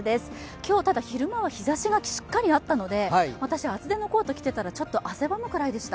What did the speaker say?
今日、ただ昼間は日ざしがしっかりあったので私、厚手のコートを着ていたら、ちょっと汗ばむくらいでした。